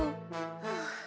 はあ。